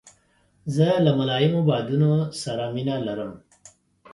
زه له ملایمو بادونو سره مینه لرم.